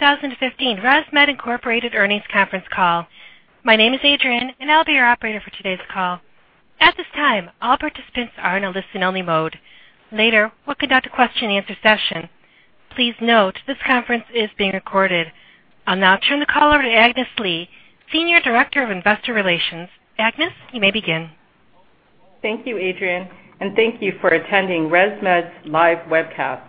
Welcome to the Q3 2015 ResMed Inc. Earnings Conference Call. My name is Adrian, and I'll be your operator for today's call. At this time, all participants are in a listen only mode. Later, we'll conduct a question and answer session. Please note this conference is being recorded. I'll now turn the call over to Agnes Lee, Senior Director of Investor Relations. Agnes, you may begin. Thank you, Adrian, and thank you for attending ResMed's live webcast.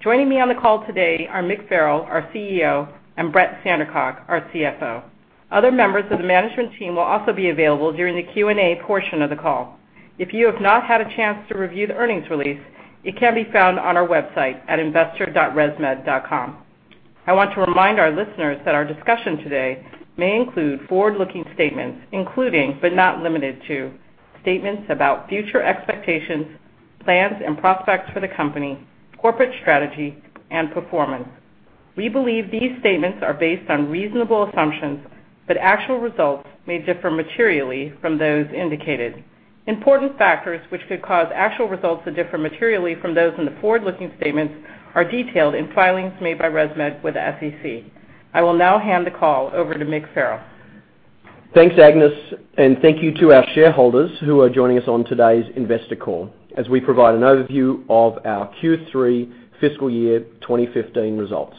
Joining me on the call today are Mick Farrell, our CEO, and Brett Sandercock, our CFO. Other members of the management team will also be available during the Q&A portion of the call. If you have not had a chance to review the earnings release, it can be found on our website at investor.resmed.com. I want to remind our listeners that our discussion today may include forward-looking statements including, but not limited to, statements about future expectations, plans and prospects for the company, corporate strategy, and performance. We believe these statements are based on reasonable assumptions, but actual results may differ materially from those indicated. Important factors which could cause actual results to differ materially from those in the forward-looking statements are detailed in filings made by ResMed with the SEC. I will now hand the call over to Mick Farrell. Thanks, Agnes, and thank you to our shareholders who are joining us on today's investor call as we provide an overview of our Q3 fiscal year 2015 results.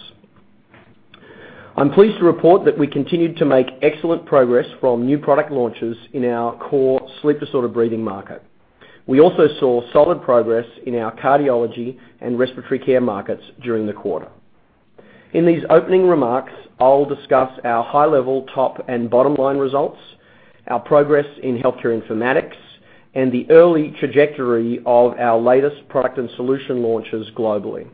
I'm pleased to report that we continued to make excellent progress from new product launches in our core sleep-disordered breathing market. We also saw solid progress in our cardiology and respiratory care markets during the quarter. In these opening remarks, I'll discuss our high-level top and bottom line results, our progress in healthcare informatics, and the early trajectory of our latest product and solution launches globally.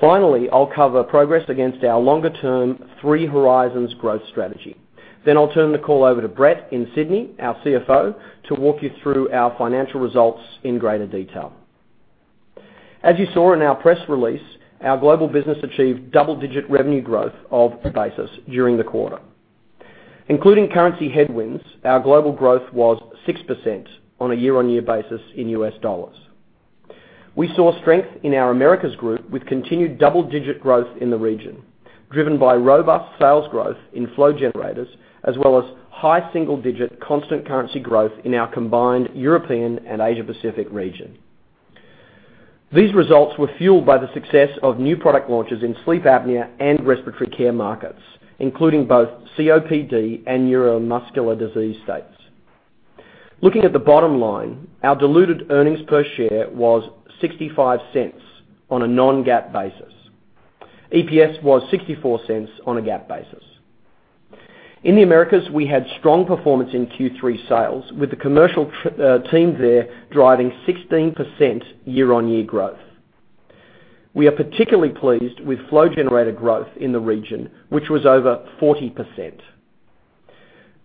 Finally, I'll cover progress against our longer term Three Horizons growth strategy. I'll turn the call over to Brett in Sydney, our CFO, to walk you through our financial results in greater detail. As you saw in our press release, our global business achieved double-digit revenue growth [of basis] during the quarter. Including currency headwinds, our global growth was 6% on a year-over-year basis in U.S. dollars. We saw strength in our Americas group with continued double-digit growth in the region, driven by robust sales growth in flow generators, as well as high single-digit constant currency growth in our combined European and Asia Pacific region. These results were fueled by the success of new product launches in sleep apnea and respiratory care markets, including both COPD and neuromuscular disease states. Looking at the bottom line, our diluted earnings per share was $0.65 on a non-GAAP basis. EPS was $0.64 on a GAAP basis. In the Americas, we had strong performance in Q3 sales, with the commercial team there driving 16% year-over-year growth. We are particularly pleased with flow generator growth in the region, which was over 40%.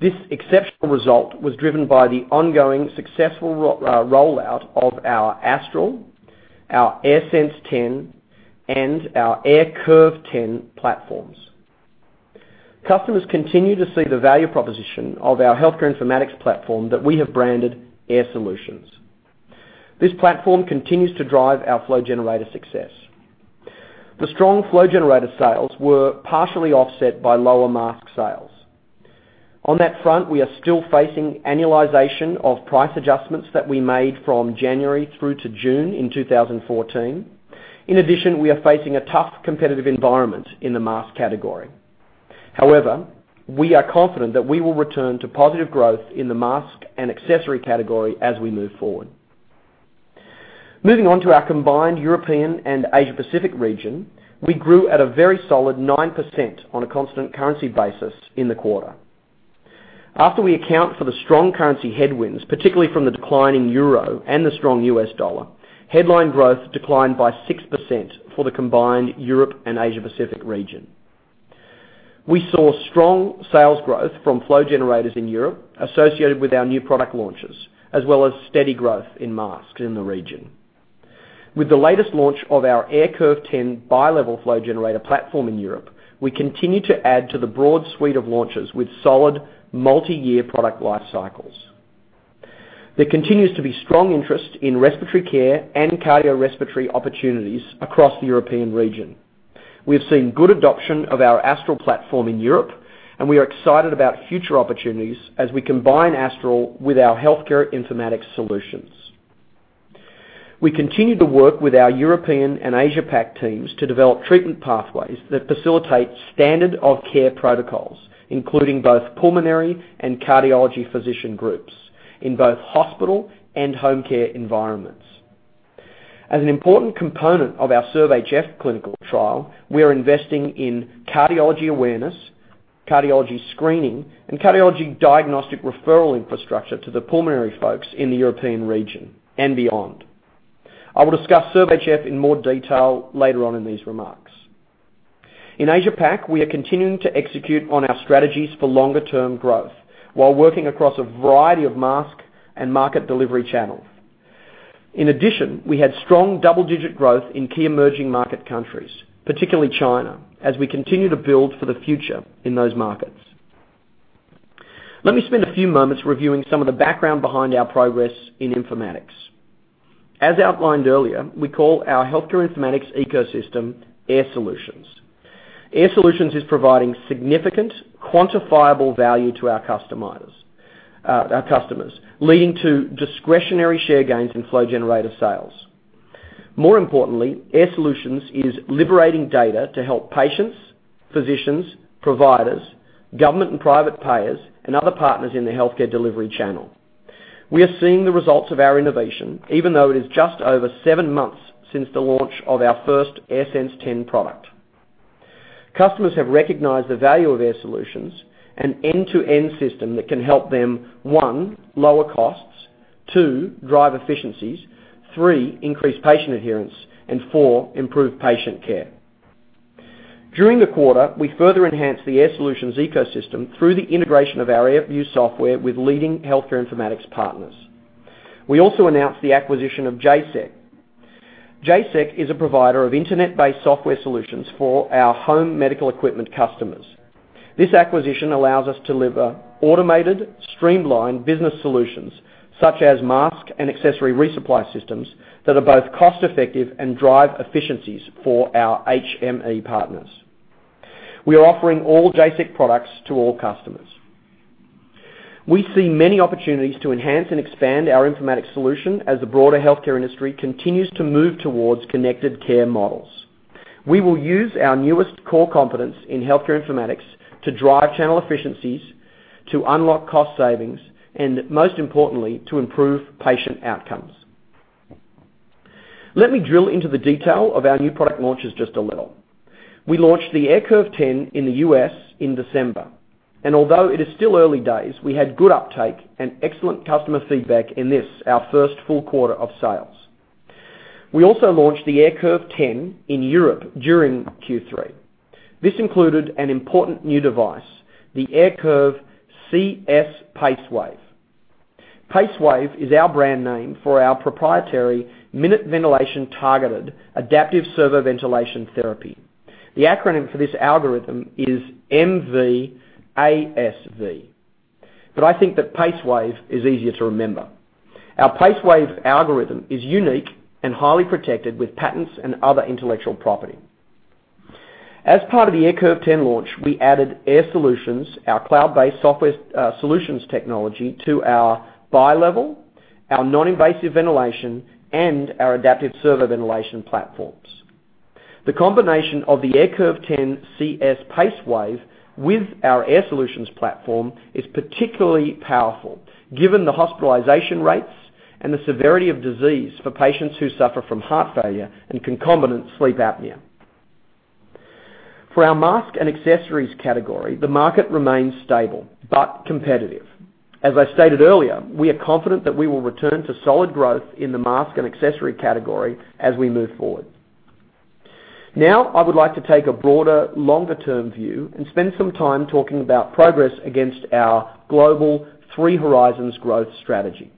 This exceptional result was driven by the ongoing successful rollout of our Astral, our AirSense 10, and our AirCurve 10 platforms. Customers continue to see the value proposition of our healthcare informatics platform that we have branded Air Solutions. This platform continues to drive our flow generator success. The strong flow generator sales were partially offset by lower mask sales. On that front, we are still facing annualization of price adjustments that we made from January through to June in 2014. In addition, we are facing a tough competitive environment in the mask category. However, we are confident that we will return to positive growth in the mask and accessory category as we move forward. Moving on to our combined European and Asia Pacific region, we grew at a very solid 9% on a constant currency basis in the quarter. After we account for the strong currency headwinds, particularly from the decline in EUR and the strong U.S. dollar, headline growth declined by 6% for the combined Europe and Asia Pacific region. We saw strong sales growth from flow generators in Europe associated with our new product launches, as well as steady growth in masks in the region. With the latest launch of our AirCurve 10 bilevel flow generator platform in Europe, we continue to add to the broad suite of launches with solid multi-year product life cycles. There continues to be strong interest in respiratory care and cardiorespiratory opportunities across the European region. We have seen good adoption of our Astral platform in Europe, and we are excited about future opportunities as we combine Astral with our healthcare informatics solutions. We continue to work with our European and Asia Pac teams to develop treatment pathways that facilitate standard of care protocols, including both pulmonary and cardiology physician groups in both hospital and home care environments. As an important component of our SERVE-HF clinical trial, we are investing in cardiology awareness, cardiology screening, and cardiology diagnostic referral infrastructure to the pulmonary folks in the European region and beyond. I will discuss SERVE-HF in more detail later on in these remarks. In Asia Pac, we are continuing to execute on our strategies for longer term growth while working across a variety of mask and market delivery channels. In addition, we had strong double-digit growth in key emerging market countries, particularly China, as we continue to build for the future in those markets. Let me spend a few moments reviewing some of the background behind our progress in informatics. As outlined earlier, we call our healthcare informatics ecosystem Air Solutions. Air Solutions is providing significant quantifiable value to our customers, leading to discretionary share gains in flow-generator sales. More importantly, Air Solutions is liberating data to help patients, physicians, providers, government and private payers, and other partners in the healthcare delivery channel. We are seeing the results of our innovation, even though it is just over seven months since the launch of our first AirSense 10 product. Customers have recognized the value of Air Solutions, an end-to-end system that can help them, one, lower costs, two, drive efficiencies, three, increase patient adherence, and four, improve patient care. During the quarter, we further enhanced the Air Solutions ecosystem through the integration of our AirView software with leading healthcare informatics partners. We also announced the acquisition of Jaysec. Jaysec is a provider of internet-based software solutions for our home medical equipment customers. This acquisition allows us to deliver automated, streamlined business solutions such as mask and accessory resupply systems that are both cost-effective and drive efficiencies for our HME partners. We are offering all Jaysec products to all customers. We see many opportunities to enhance and expand our informatics solution as the broader healthcare industry continues to move towards connected care models. We will use our newest core competence in healthcare informatics to drive channel efficiencies, to unlock cost savings, and most importantly, to improve patient outcomes. Let me drill into the detail of our new product launches just a little. We launched the AirCurve 10 in the U.S. in December, and although it is still early days, we had good uptake and excellent customer feedback in this, our first full quarter of sales. We also launched the AirCurve 10 in Europe during Q3. This included an important new device, the AirCurve CS PaceWave. PaceWave is our brand name for our proprietary minute ventilation targeted adaptive servoventilation therapy. The acronym for this algorithm is MV-ASV. I think that PaceWave is easier to remember. Our PaceWave algorithm is unique and highly protected with patents and other intellectual property. As part of the AirCurve 10 launch, we added Air Solutions, our cloud-based software solutions technology, to our bilevel, our non-invasive ventilation, and our adaptive servoventilation platforms. The combination of the AirCurve 10 CS PaceWave with our Air Solutions platform is particularly powerful given the hospitalization rates and the severity of disease for patients who suffer from heart failure and concomitant sleep apnea. For our mask and accessories category, the market remains stable but competitive. As I stated earlier, we are confident that we will return to solid growth in the mask and accessory category as we move forward. I would like to take a broader, longer-term view and spend some time talking about progress against our global Three Horizons growth strategy.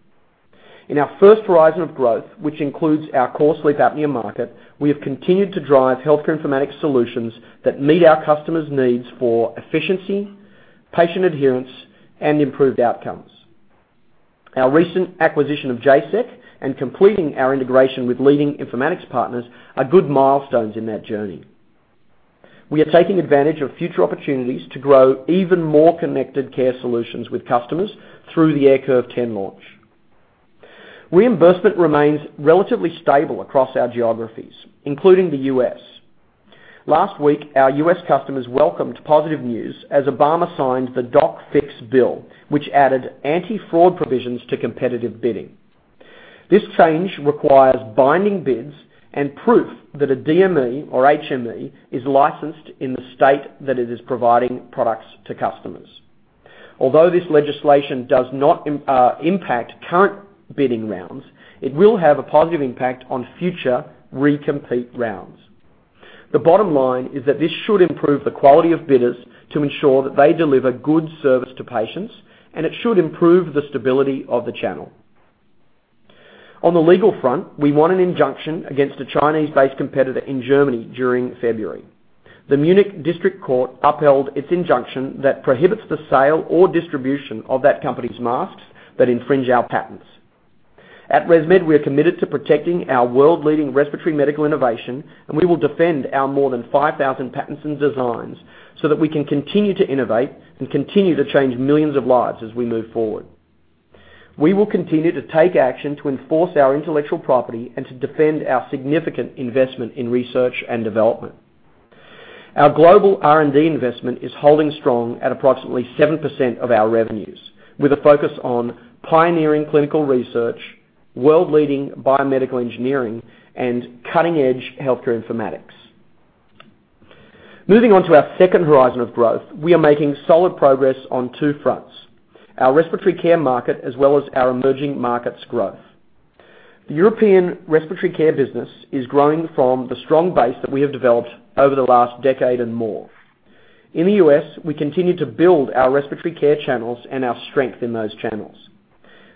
In our first horizon of growth, which includes our core sleep apnea market, we have continued to drive healthcare informatics solutions that meet our customers' needs for efficiency, patient adherence, and improved outcomes. Our recent acquisition of Jaysec and completing our integration with leading informatics partners are good milestones in that journey. We are taking advantage of future opportunities to grow even more connected care solutions with customers through the AirCurve 10 launch. Reimbursement remains relatively stable across our geographies, including the U.S. Last week, our U.S. customers welcomed positive news as Obama signed the Doc Fix bill, which added anti-fraud provisions to competitive bidding. This change requires binding bids and proof that a DME or HME is licensed in the state that it is providing products to customers. Although this legislation does not impact current bidding rounds, it will have a positive impact on future recompete rounds. The bottom line is that this should improve the quality of bidders to ensure that they deliver good service to patients, and it should improve the stability of the channel. On the legal front, we won an injunction against a Chinese-based competitor in Germany during February. The Munich District Court upheld its injunction that prohibits the sale or distribution of that company's masks that infringe our patents. At ResMed, we are committed to protecting our world-leading respiratory medical innovation, and we will defend our more than 5,000 patents and designs so that we can continue to innovate and continue to change millions of lives as we move forward. We will continue to take action to enforce our intellectual property and to defend our significant investment in research and development. Our global R&D investment is holding strong at approximately 7% of our revenues, with a focus on pioneering clinical research, world-leading biomedical engineering, and cutting-edge healthcare informatics. Moving on to our second Horizon of growth, we are making solid progress on two fronts, our respiratory care market as well as our emerging markets growth. The European respiratory care business is growing from the strong base that we have developed over the last decade and more. In the U.S., we continue to build our respiratory care channels and our strength in those channels.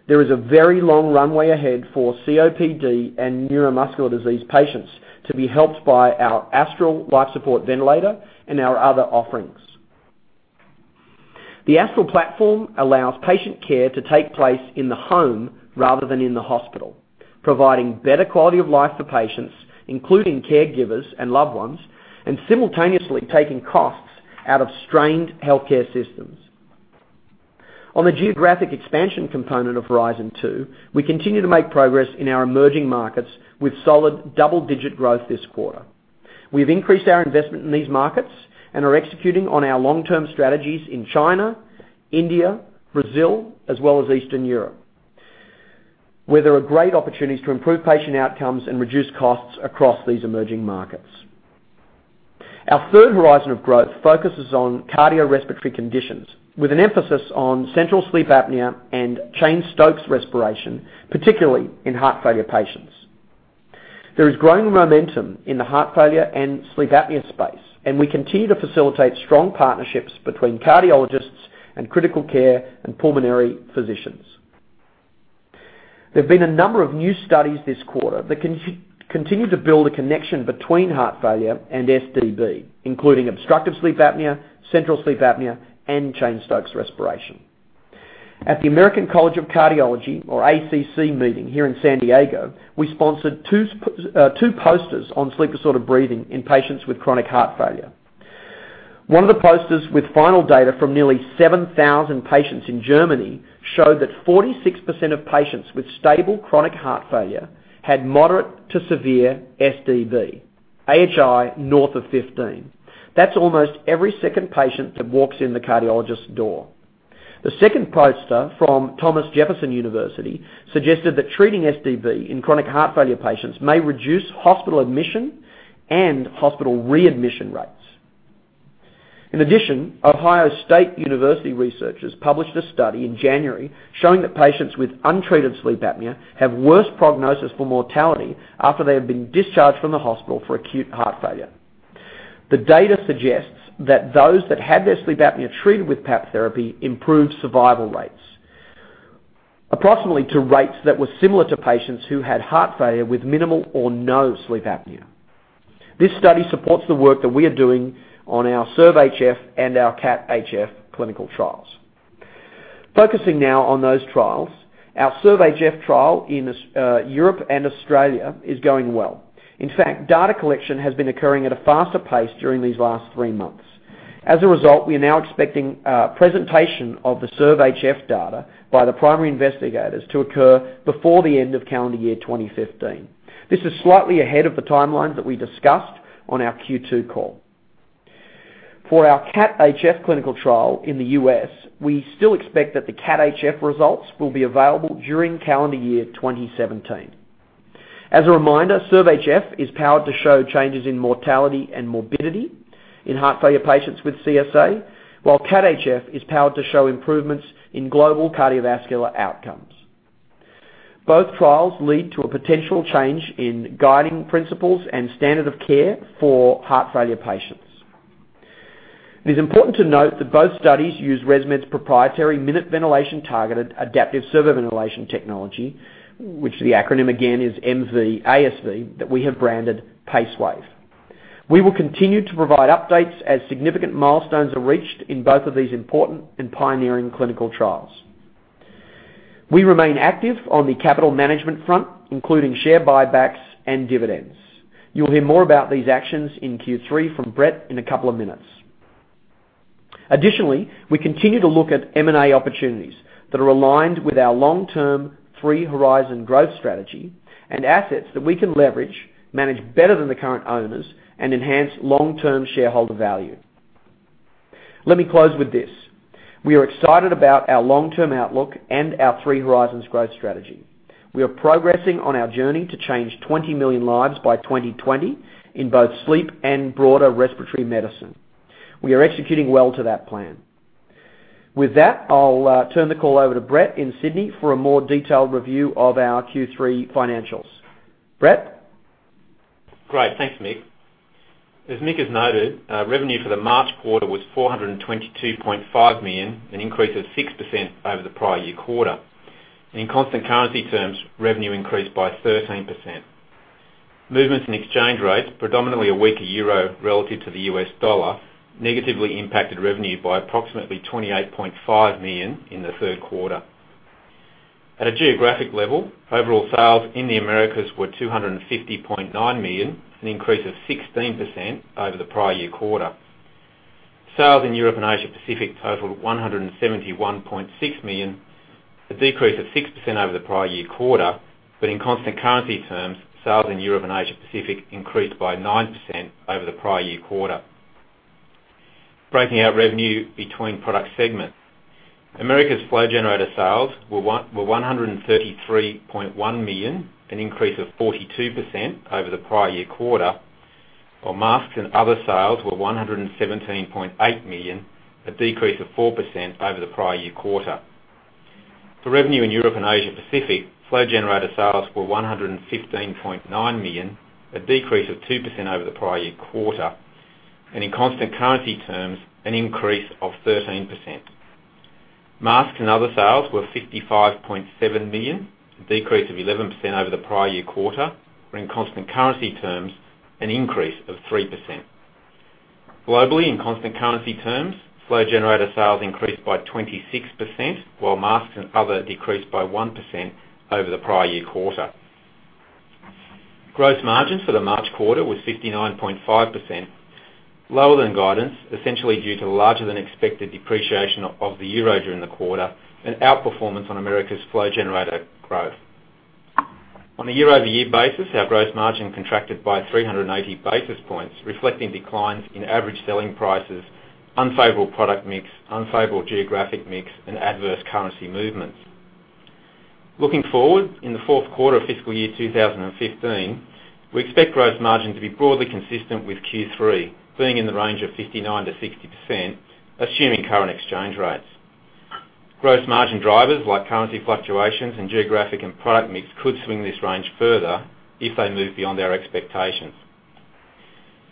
There is a very long runway ahead for COPD and neuromuscular disease patients to be helped by our Astral life support ventilator and our other offerings. The Astral platform allows patient care to take place in the home rather than in the hospital, providing better quality of life for patients, including caregivers and loved ones, and simultaneously taking costs out of strained healthcare systems. On the geographic expansion component of Horizon II, we continue to make progress in our emerging markets with solid double-digit growth this quarter. We've increased our investment in these markets and are executing on our long-term strategies in China, India, Brazil, as well as Eastern Europe, where there are great opportunities to improve patient outcomes and reduce costs across these emerging markets. Our third Horizon of growth focuses on cardiorespiratory conditions, with an emphasis on central sleep apnea and Cheyne-Stokes respiration, particularly in heart failure patients. There is growing momentum in the heart failure and sleep apnea space, and we continue to facilitate strong partnerships between cardiologists and critical care and pulmonary physicians. There have been a number of new studies this quarter that continue to build a connection between heart failure and SDB, including obstructive sleep apnea, central sleep apnea, and Cheyne-Stokes respiration. At the American College of Cardiology, or ACC, meeting here in San Diego, we sponsored two posters on sleep disordered breathing in patients with chronic heart failure. One of the posters with final data from nearly 7,000 patients in Germany showed that 46% of patients with stable chronic heart failure had moderate to severe SDB, AHI north of 15. That's almost every second patient that walks in the cardiologist's door. The second poster from Thomas Jefferson University suggested that treating SDB in chronic heart failure patients may reduce hospital admission and hospital readmission rates. In addition, The Ohio State University researchers published a study in January showing that patients with untreated sleep apnea have worse prognosis for mortality after they have been discharged from the hospital for acute heart failure. The data suggests that those that had their sleep apnea treated with PAP therapy improved survival rates approximately to rates that were similar to patients who had heart failure with minimal or no sleep apnea. This study supports the work that we are doing on our SERVE-HF and our CAT-HF clinical trials. Focusing now on those trials, our SERVE-HF trial in Europe and Australia is going well. Data collection has been occurring at a faster pace during these last three months. We are now expecting presentation of the SERVE-HF data by the primary investigators to occur before the end of calendar year 2015. This is slightly ahead of the timeline that we discussed on our Q2 call. For our CAT-HF clinical trial in the U.S., we still expect that the CAT-HF results will be available during calendar year 2017. As a reminder, SERVE-HF is powered to show changes in mortality and morbidity in heart failure patients with CSA, while CAT-HF is powered to show improvements in global cardiovascular outcomes. Both trials lead to a potential change in guiding principles and standard of care for heart failure patients. It is important to note that both studies use ResMed's proprietary minute ventilation targeted adaptive servo-ventilation technology, which the acronym again is MV-ASV, that we have branded PaceWave. We will continue to provide updates as significant milestones are reached in both of these important and pioneering clinical trials. We remain active on the capital management front, including share buybacks and dividends. You will hear more about these actions in Q3 from Brett in a couple of minutes. Additionally, we continue to look at M&A opportunities that are aligned with our long-term Three Horizons growth strategy and assets that we can leverage, manage better than the current owners, and enhance long-term shareholder value. Let me close with this. We are excited about our long-term outlook and our Three Horizons growth strategy. We are progressing on our journey to change 20 million lives by 2020 in both sleep and broader respiratory medicine. We are executing well to that plan. I'll turn the call over to Brett in Sydney for a more detailed review of our Q3 financials. Brett? Great. Thanks, Mick. As Mick has noted, revenue for the March quarter was $422.5 million, an increase of 6% over the prior year quarter. In constant currency terms, revenue increased by 13%. Movements in exchange rates, predominantly a weaker EUR relative to the U.S. dollar, negatively impacted revenue by approximately $28.5 million in the third quarter. At a geographic level, overall sales in the Americas were $250.9 million, an increase of 16% over the prior year quarter. Sales in Europe and Asia Pacific totaled $171.6 million, a decrease of 6% over the prior year quarter. In constant currency terms, sales in Europe and Asia Pacific increased by 9% over the prior year quarter. Breaking out revenue between product segments. Americas flow generator sales were $133.1 million, an increase of 42% over the prior year quarter, while masks and other sales were $117.8 million, a decrease of 4% over the prior year quarter. For revenue in Europe and Asia Pacific, flow generator sales were $115.9 million, a decrease of 2% over the prior year quarter. In constant currency terms, an increase of 13%. Masks and other sales were $55.7 million, a decrease of 11% over the prior year quarter, or in constant currency terms, an increase of 3%. Globally, in constant currency terms, flow generator sales increased by 26%, while masks and other decreased by 1% over the prior year quarter. Gross margins for the March quarter was 59.5%, lower than guidance, essentially due to larger than expected depreciation of the EUR during the quarter and outperformance on America's flow generator growth. On a year-over-year basis, our gross margin contracted by 380 basis points, reflecting declines in average selling prices, unfavorable product mix, unfavorable geographic mix, and adverse currency movements. Looking forward, in the fourth quarter of fiscal year 2015, we expect gross margin to be broadly consistent with Q3, being in the range of 59%-60%, assuming current exchange rates. Gross margin drivers like currency fluctuations and geographic and product mix could swing this range further if they move beyond our expectations.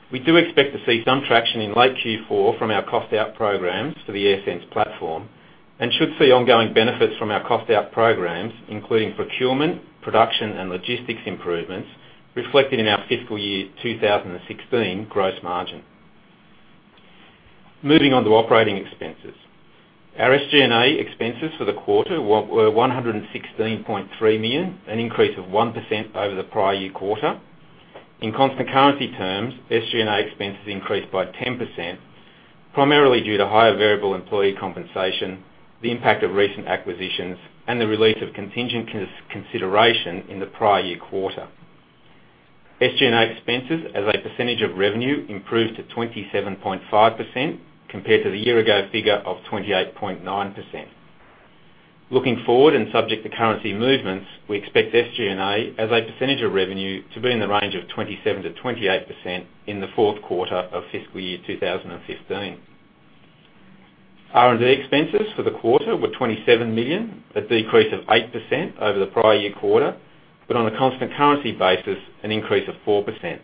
We do expect to see some traction in late Q4 from our cost-out programs for the AirSense platform and should see ongoing benefits from our cost-out programs, including procurement, production, and logistics improvements reflected in our fiscal year 2016 gross margin. Moving on to operating expenses. Our SG&A expenses for the quarter were $116.3 million, an increase of 1% over the prior year quarter. In constant currency terms, SG&A expenses increased by 10%, primarily due to higher variable employee compensation, the impact of recent acquisitions, and the release of contingent consideration in the prior year quarter. SG&A expenses as a percentage of revenue improved to 27.5%, compared to the year-ago figure of 28.9%. Looking forward, and subject to currency movements, we expect SG&A as a percentage of revenue to be in the range of 27%-28% in the fourth quarter of fiscal year 2015. R&D expenses for the quarter were $27 million, a decrease of 8% over the prior year quarter, but on a constant currency basis, an increase of 4%.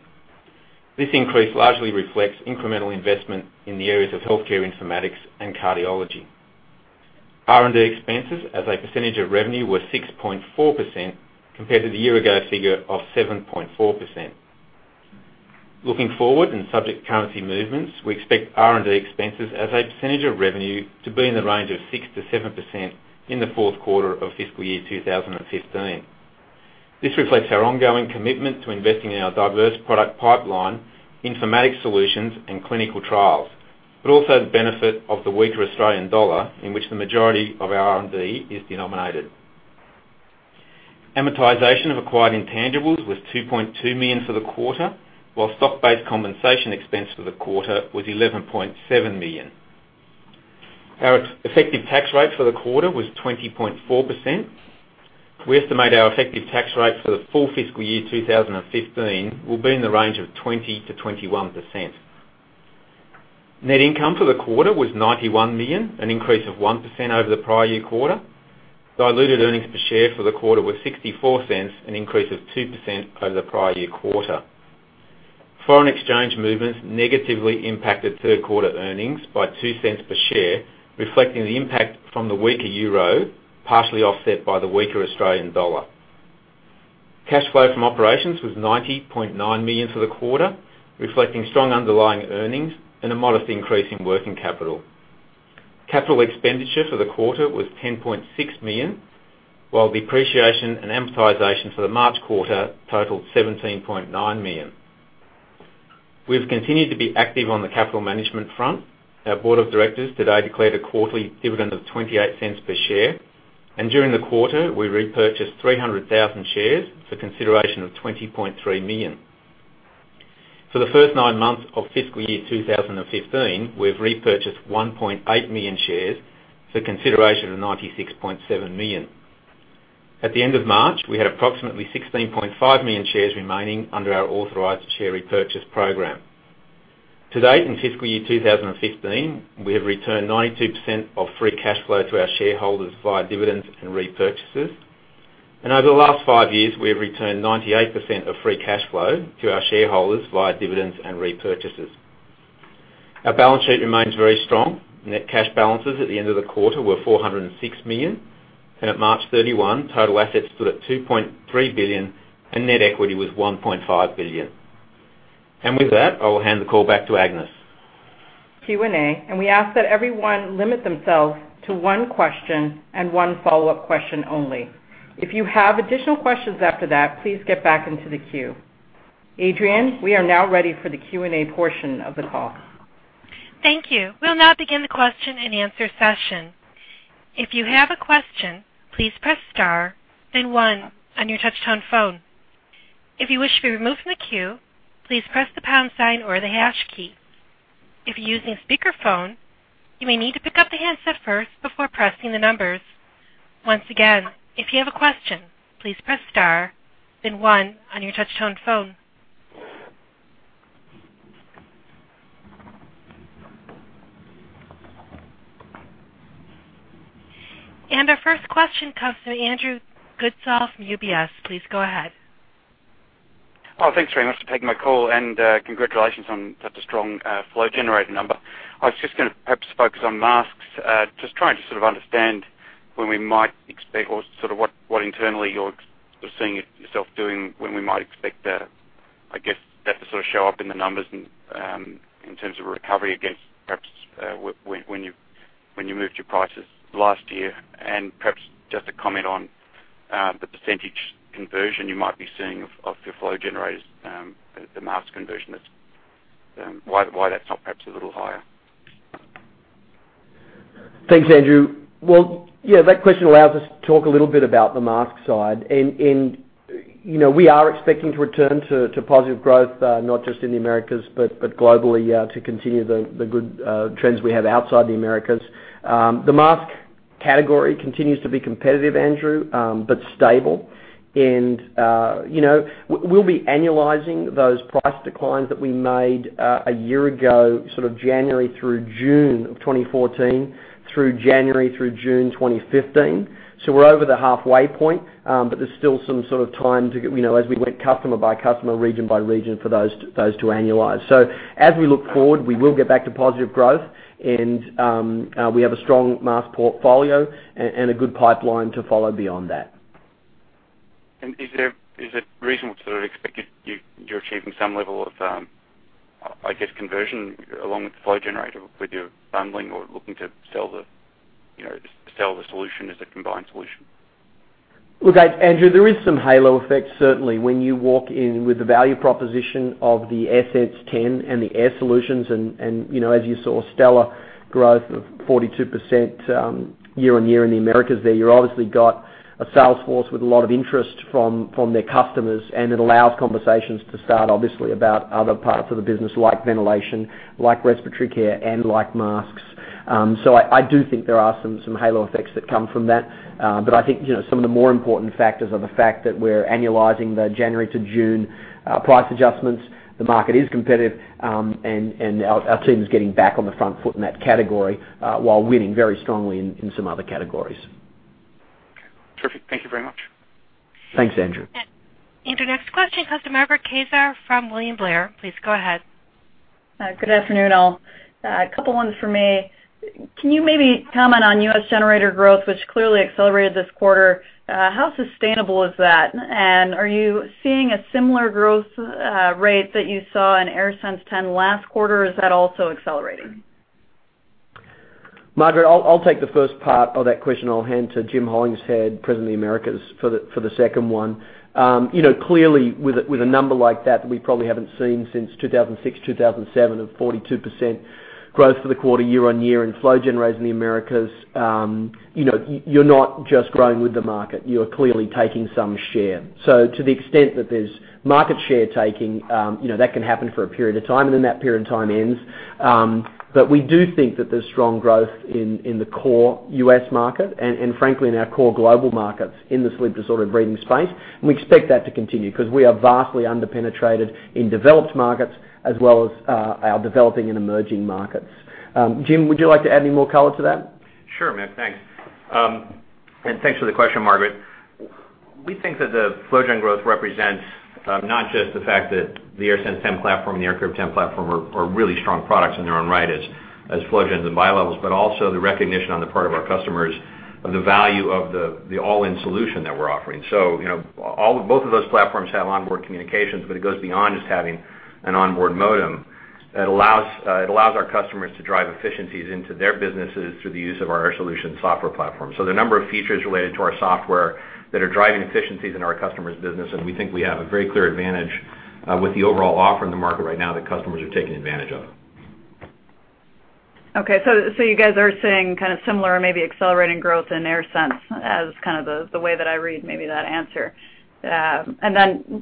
This increase largely reflects incremental investment in the areas of healthcare informatics and cardiology. R&D expenses as a percentage of revenue were 6.4%, compared to the year-ago figure of 7.4%. Looking forward, subject to currency movements, we expect R&D expenses as a percentage of revenue to be in the range of 6%-7% in the fourth quarter of fiscal year 2015. This reflects our ongoing commitment to investing in our diverse product pipeline, informatics solutions, and clinical trials, but also the benefit of the weaker Australian dollar, in which the majority of our R&D is denominated. Amortization of acquired intangibles was $2.2 million for the quarter, while stock-based compensation expense for the quarter was $11.7 million. Our effective tax rate for the quarter was 20.4%. We estimate our effective tax rate for the full fiscal year 2015 will be in the range of 20%-21%. Net income for the quarter was $91 million, an increase of 1% over the prior year quarter. Diluted earnings per share for the quarter were $0.64, an increase of 2% over the prior year quarter. Foreign exchange movements negatively impacted third-quarter earnings by $0.02 per share, reflecting the impact from the weaker euro, partially offset by the weaker Australian dollar. Cash flow from operations was $90.9 million for the quarter, reflecting strong underlying earnings and a modest increase in working capital. Capital expenditure for the quarter was $10.6 million, while depreciation and amortization for the March quarter totaled $17.9 million. We've continued to be active on the capital management front. Our board of directors today declared a quarterly dividend of $0.28 per share, during the quarter, we repurchased 300,000 shares for consideration of $20.3 million. For the first nine months of fiscal year 2015, we've repurchased 1.8 million shares for consideration of $96.7 million. At the end of March, we had approximately 16.5 million shares remaining under our authorized share repurchase program. To date, in fiscal year 2015, we have returned 92% of free cash flow to our shareholders via dividends and repurchases. Over the last five years, we have returned 98% of free cash flow to our shareholders via dividends and repurchases. Our balance sheet remains very strong. Net cash balances at the end of the quarter were $406 million. At March 31, total assets stood at $2.3 billion, and net equity was $1.5 billion. With that, I will hand the call back to Agnes. Q&A, we ask that everyone limit themselves to one question and one follow-up question only. If you have additional questions after that, please get back into the queue. Adrian, we are now ready for the Q&A portion of the call. Thank you. We'll now begin the question and answer session. If you have a question, please press star then one on your touchtone phone. If you wish to be removed from the queue, please press the pound sign or the hash key. If you're using speakerphone, you may need to pick up the handset first before pressing the numbers. Once again, if you have a question, please press star then one on your touchtone phone. Our first question comes from Andrew Goodsall from UBS. Please go ahead. Thanks very much for taking my call, and congratulations on such a strong flow generator number. I was just going to perhaps focus on masks. Just trying to sort of understand when we might expect, or sort of what internally you're sort of seeing yourself doing, when we might expect, I guess, that to sort of show up in the numbers in terms of recovery against, perhaps, when you moved your prices last year. Perhaps just a comment on the % conversion you might be seeing of your flow generators, the mask conversion, why that's not perhaps a little higher. Thanks, Andrew. Well, yeah, that question allows us to talk a little bit about the mask side. We are expecting to return to positive growth, not just in the Americas, but globally, to continue the good trends we have outside the Americas. The mask category continues to be competitive, Andrew, but stable. We'll be annualizing those price declines that we made a year ago, sort of January through June of 2014, through January through June 2015. We're over the halfway point. There's still some sort of time to get, as we went customer by customer, region by region, for those to annualize. As we look forward, we will get back to positive growth. We have a strong mask portfolio and a good pipeline to follow beyond that. Is it reasonable to sort of expect you're achieving some level of, I guess, conversion along with the flow generator, with your bundling or looking to sell the solution as a combined solution? Look, Andrew, there is some halo effect, certainly, when you walk in with the value proposition of the AirSense 10 and the Air Solutions. As you saw, stellar growth of 42% year-on-year in the Americas there. You obviously got a sales force with a lot of interest from their customers, and it allows conversations to start, obviously, about other parts of the business like ventilation, like respiratory care, and like masks. I do think there are some halo effects that come from that. I think, some of the more important factors are the fact that we're annualizing the January to June price adjustments. The market is competitive, and our team's getting back on the front foot in that category, while winning very strongly in some other categories. Okay. Terrific. Thank you very much. Thanks, Andrew. Our next question comes from Margaret Kaczor from William Blair. Please go ahead. Good afternoon, all. A couple ones from me. Can you maybe comment on U.S. generator growth, which clearly accelerated this quarter? How sustainable is that? Are you seeing a similar growth rate that you saw in AirSense 10 last quarter, or is that also accelerating? Margaret, I'll take the first part of that question. I'll hand to Jim Hollingshead, President of the Americas, for the second one. Clearly, with a number like that, we probably haven't seen since 2006, 2007, of 42% growth for the quarter year-on-year in flow generators in the Americas. You're not just growing with the market. You are clearly taking some share. To the extent that there's market share taking, that can happen for a period of time, and then that period of time ends. We do think that there's strong growth in the core U.S. market and, frankly, in our core global markets in the sleep disorder breathing space. We expect that to continue, because we are vastly under-penetrated in developed markets as well as our developing and emerging markets. Jim, would you like to add any more color to that? Sure, Mick, thanks. Thanks for the question, Margaret. We think that the flow gen growth represents not just the fact that the AirSense 10 platform and the AirCurve 10 platform are really strong products in their own right as flow gens and bilevels, but also the recognition on the part of our customers of the value of the all-in solution that we're offering. Both of those platforms have onboard communications, but it goes beyond just having an onboard modem. It allows our customers to drive efficiencies into their businesses through the use of our Air Solutions software platform. The number of features related to our software that are driving efficiencies in our customers' business, and we think we have a very clear advantage, with the overall offer in the market right now that customers are taking advantage of. Okay. You guys are seeing kind of similar, maybe accelerating growth in AirSense as kind of the way that I read maybe that answer.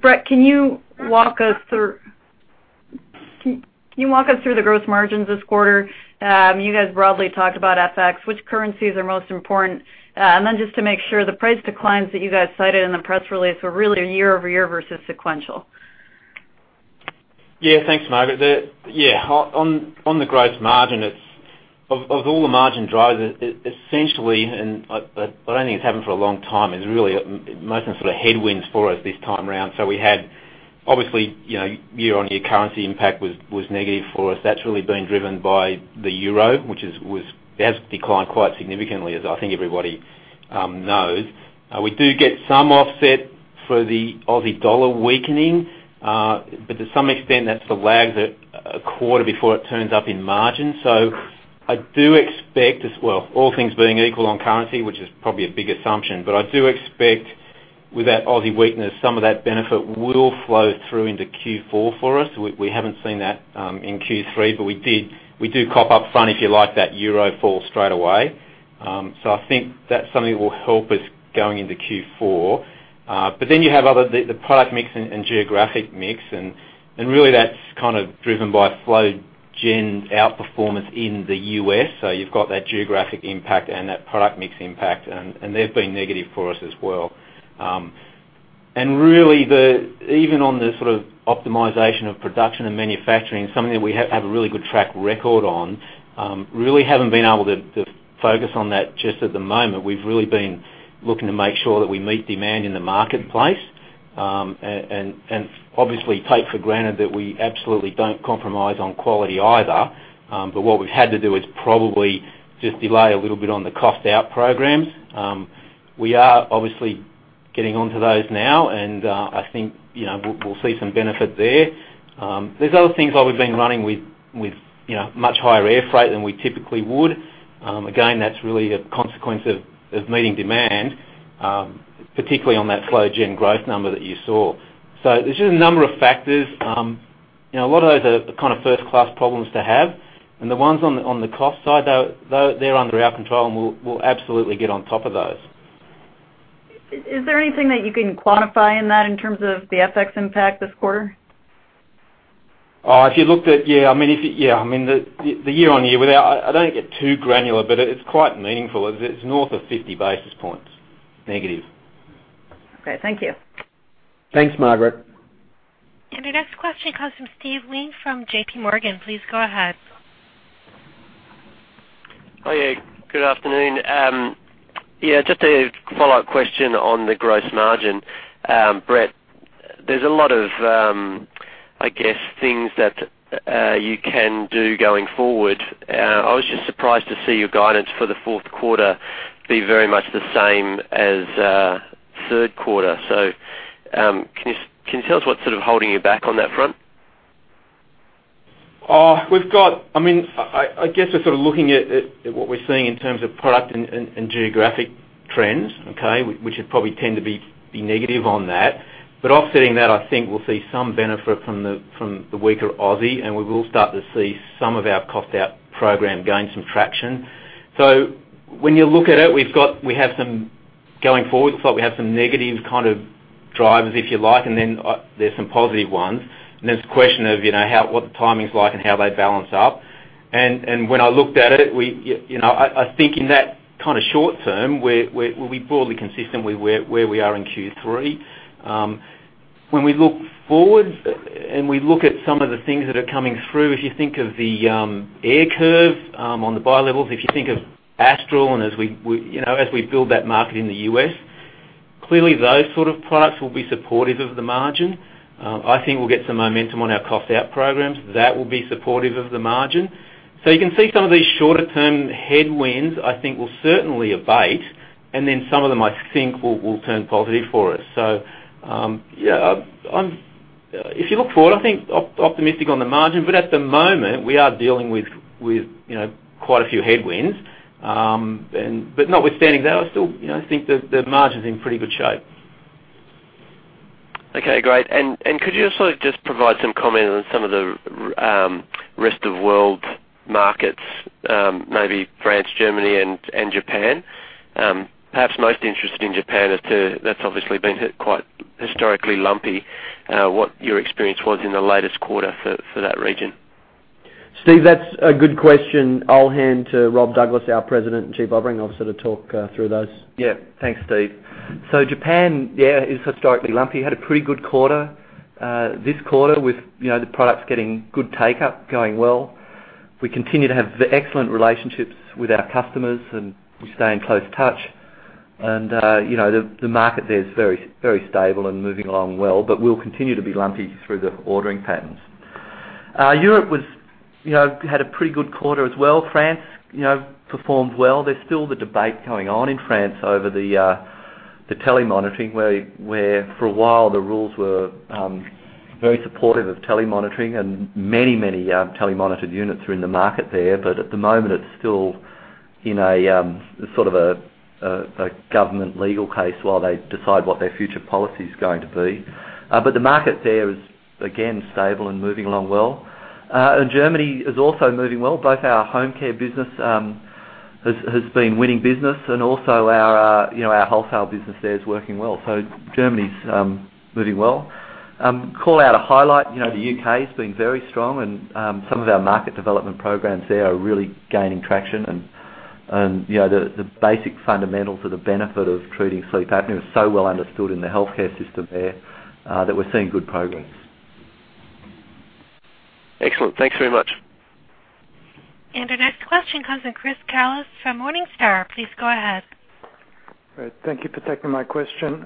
Brett, can you walk us through the gross margins this quarter? You guys broadly talked about FX. Which currencies are most important? Just to make sure, the price declines that you guys cited in the press release were really year-over-year versus sequential. Yeah. Thanks, Margaret. Yeah. On the gross margin, of all the margin drivers, essentially, and I don't think it's happened for a long time, is really mostly sort of headwinds for us this time around. We had, obviously, year-on-year currency impact was negative for us. That's really been driven by the euro, which has declined quite significantly as I think everybody knows. We do get some offset for the Aussie dollar weakening. To some extent, that still lags it a quarter before it turns up in margin. I do expect as well, all things being equal on currency, which is probably a big assumption, but I do expect with that Aussie weakness, some of that benefit will flow through into Q4 for us. We haven't seen that in Q3, but we do cop up front, if you like, that euro fall straight away. I think that's something that will help us going into Q4. You have the product mix and geographic mix, and really that's kind of driven by flow gen outperformance in the U.S. You've got that geographic impact and that product mix impact, and they've been negative for us as well. Really, even on the optimization of production and manufacturing, something that we have had a really good track record on, really haven't been able to focus on that just at the moment. We've really been looking to make sure that we meet demand in the marketplace, and obviously take for granted that we absolutely don't compromise on quality either. What we've had to do is probably just delay a little bit on the cost-out programs. We are obviously getting onto those now, and I think we'll see some benefit there. There's other things. We've been running with much higher air freight than we typically would. Again, that's really a consequence of meeting demand, particularly on that flow gen growth number that you saw. There's just a number of factors. A lot of those are first-class problems to have, the ones on the cost side, they're under our control. We'll absolutely get on top of those. Is there anything that you can quantify in that in terms of the FX impact this quarter? The year-over-year, I don't get too granular, it's quite meaningful. It's north of 50 basis points negative. Okay. Thank you. Thanks, Margaret. Our next question comes from Steve Wheen from JPMorgan. Please go ahead. Hi. Good afternoon. Yeah, just a follow-up question on the gross margin. Brett, there's a lot of things that you can do going forward. I was just surprised to see your guidance for the fourth quarter be very much the same as third quarter. Can you tell us what's holding you back on that front? I guess we're sort of looking at what we're seeing in terms of product and geographic trends, okay, which would probably tend to be negative on that. Offsetting that, I think we'll see some benefit from the weaker Aussie, and we will start to see some of our cost-out program gain some traction. When you look at it, going forward, looks like we have some negative kind of drivers, if you like, and then there's some positive ones, and then it's a question of what the timing's like and how they balance up. When I looked at it, I think in that kind of short term, we're broadly consistent with where we are in Q3. When we look forward and we look at some of the things that are coming through, if you think of the AirCurve on the bilevels, if you think of Astral and as we build that market in the U.S., clearly those sort of products will be supportive of the margin. I think we'll get some momentum on our cost-out programs. That will be supportive of the margin. You can see some of these shorter-term headwinds, I think, will certainly abate, and then some of them, I think, will turn positive for us. If you look forward, I think optimistic on the margin. At the moment, we are dealing with quite a few headwinds. Notwithstanding that, I still think the margin's in pretty good shape. Okay. Great. Could you also just provide some comment on some of the rest-of-world markets, maybe France, Germany, and Japan? Perhaps most interested in Japan as to, that's obviously been hit quite historically lumpy, what your experience was in the latest quarter for that region. Steve, that's a good question. I'll hand to Robert Douglas, our President and Chief Operating Officer, to talk through those. Yeah. Thanks, Steve. Japan, yeah, is historically lumpy. Had a pretty good quarter. This quarter with the products getting good take-up, going well. We continue to have excellent relationships with our customers, and we stay in close touch. The market there is very stable and moving along well. We'll continue to be lumpy through the ordering patterns. Europe had a pretty good quarter as well. France performed well. There's still the debate going on in France over the telemonitoring, where for a while, the rules were very supportive of telemonitoring, and many telemonitored units are in the market there. At the moment, it's still in a sort of a government legal case while they decide what their future policy's going to be. The market there is, again, stable and moving along well. Germany is also moving well. Both our home care business has been winning business and also our wholesale business there is working well. Germany's moving well. Call out a highlight, the U.K.'s been very strong, and some of our market development programs there are really gaining traction, and the basic fundamentals of the benefit of treating sleep apnea is so well understood in the healthcare system there, that we're seeing good progress. Excellent. Thanks very much. Our next question comes from Chris Kallos from Morningstar. Please go ahead. Great. Thank you for taking my question.